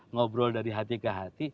ngobrol dari hati ke hati